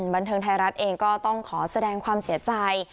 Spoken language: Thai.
บันเทิงไทยรัฐเองก็ต้องขอแสดงความเสียใจ